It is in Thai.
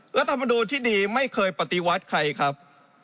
รัฐภาษาอาหารที่ดีไม่เคยปฏิวัติใครครับ